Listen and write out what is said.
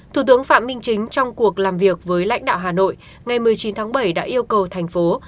thủ tướng phạm minh chính trong cuộc làm việc với lãnh đạo hà nội ngày một mươi chín tháng bảy đã yêu cầu thành phố